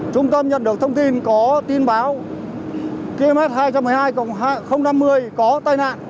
trung tâm nhận được thông tin có tin báo km hai trăm một mươi hai nghìn năm mươi có tai nạn